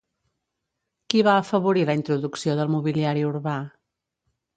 Qui va afavorir la introducció del mobiliari urbà?